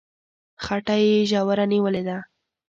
څټه يې ژوره نيولې ده